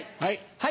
はい。